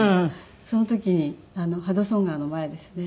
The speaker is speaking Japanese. その時にハドソン川の前ですね。